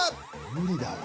無理だわ。